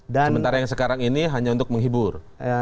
sementara yang sekarang ini hanya untuk menghibur